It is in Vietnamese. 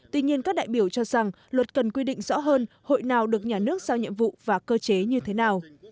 tuy nhiên các đại biểu cho rằng luật cần quy định rõ hơn hội nào được nhà nước sao nhiệm vụ và cơ chế như thế nào